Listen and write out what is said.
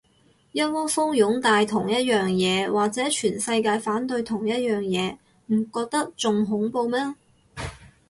一窩蜂擁戴同一樣嘢，或者全世界反對同一樣嘢，唔覺得仲恐怖咩